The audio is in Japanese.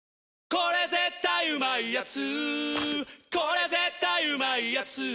これ絶対うまいやつ」